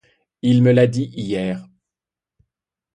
Il me l’a dit hier.